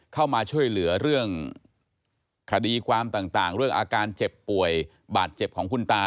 เข้ามาช่วยเหลือเรื่องคดีความต่างเรื่องอาการเจ็บป่วยบาดเจ็บของคุณตา